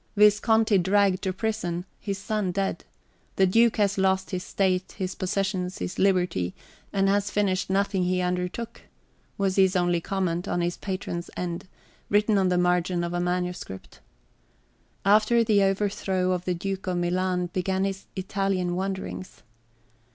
"Visconti dragged to prison, his son dead, ... the duke has lost his state, his possessions, his liberty, and has finished nothing he undertook," was his only comment on his patron's end, written on the {xii} margin of a manuscript. After the overthrow of the Duke of Milan, began his Italian wanderings.